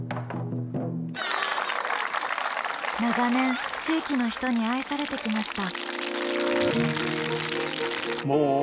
長年地域の人に愛されてきました。